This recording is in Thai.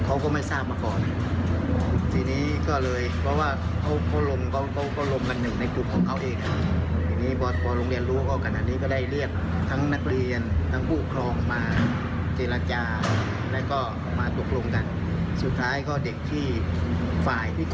ออกไปแล้วนะครับก็ไปเรียนอาหารที่นี่